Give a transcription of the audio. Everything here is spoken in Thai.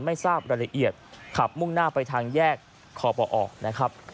ไม่ทราบรายละเอียดขับมุ่งหน้าไปทางแยกคอปอนะครับ